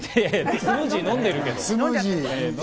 スムージー飲んでるけど。